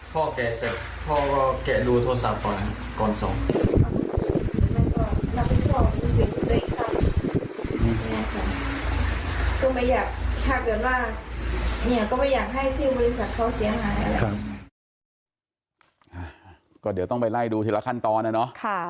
พ่อเกะเสร็จพ่อก็เกะดูโทรศัพท์ก่อนส่ง